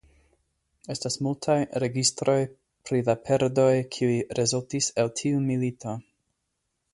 Estas multaj registroj pri la perdoj kiuj rezultis el tiu milito.